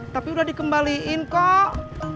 tapi udah dikembaliin kok